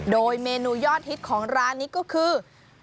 โดยเมนูยอดฮิตของร้านนี้ก็คือ